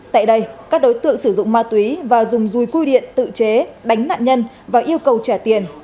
tại đây các đối tượng sử dụng ma túy và dùng dùi cui điện tự chế đánh nạn nhân và yêu cầu trả tiền